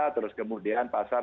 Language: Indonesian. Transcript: terus kemudian pasar